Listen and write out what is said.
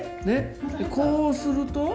でこうすると？